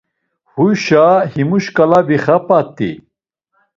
Huşa himu şkala vixap̌at̆i.